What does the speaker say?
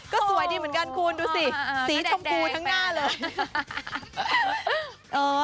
ก็สวยดีเหมือนกันคุณดูสิสีชมพูทั้งหน้าเลย